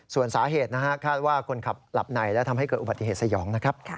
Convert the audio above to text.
ส่วนสาเหตุคาดว่าคนขับหลับไหนและทำให้เกิดอุบัติเหตุสยอง